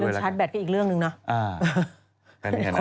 อ๋อเรื่องชาร์จแบตก็อีกเรื่องนึงเนาะ